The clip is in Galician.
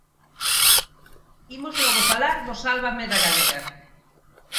Imos logo falar do Sálvame da galega.